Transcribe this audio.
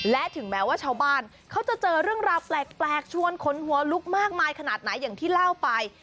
และถึงแม้ว่าชาวบ้านเขาจะเจอเรื่องราวแปลกชวนขนหัวลุกมากมายขนาดไหนอย่างที่เล่าไป